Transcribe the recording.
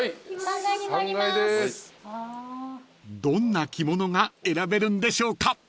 ［どんな着物が選べるんでしょうか］